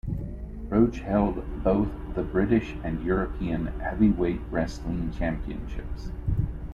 Roach held both the British and European Heavyweight Wrestling Championships.